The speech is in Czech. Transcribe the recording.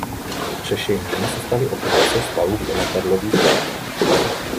Řešením se staly operace z palub letadlových lodí.